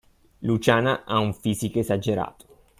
Luciana ha un fisico esagerato!